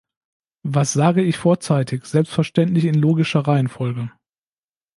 Was sage ich vorzeitig, selbstverständlich in logischer Reihenfolge!